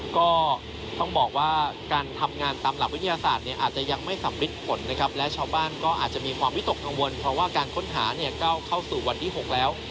ก็ต้องบอกว่าการทำงานตามหลักวิทยาศาสตร์เนี่ยอาจจะยังไม่สำริดผลนะครับและชาวบ้านก็อาจจะมีความวิตกกังวลเพราะว่าการค้นหาเนี่ยก็เข้าสู่วันที่๖แล้ว